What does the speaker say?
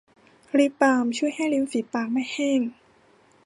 ลิปบาล์มช่วยให้ริมฝีปากไม่แห้ง